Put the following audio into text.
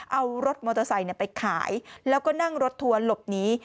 เอารถมอเตอร์ไซค์ไปขายแล้วก็นั่งรถทัวร์หลบหนี